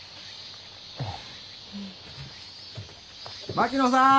槙野さん